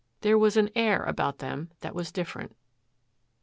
There was an "air" about them that was different.